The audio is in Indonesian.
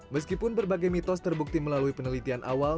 meskipun berbagai mitos terbukti melalui penelitian awal